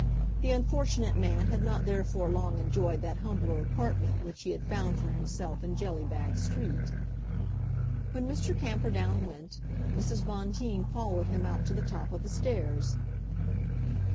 The unfortunate man had not therefore long enjoyed that humbler apartment which he had found for himself in Jellybag Street. When Mr. Camperdown went, Mrs. Bonteen followed him out to the top of the stairs.